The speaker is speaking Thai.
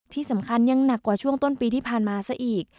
ที่สำคัญยังหนักกว่าช่วงต้นปีที่ผ่านมาซะอีก